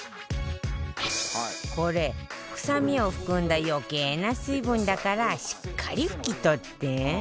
これ臭みを含んだ余計な水分だからしっかり拭き取って